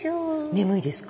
眠いですか？